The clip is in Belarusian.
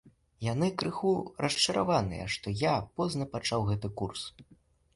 Яны крыху расчараваныя, што я позна пачаў гэты курс.